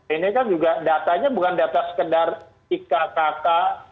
ini kan juga datanya bukan data sekedar nik kk